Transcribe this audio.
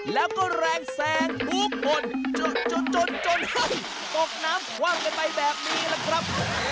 แล้วก็แรงแสงพูดหมดจนจนหันตกน้ำกว้างกันไปแบบนี้ล่ะครับ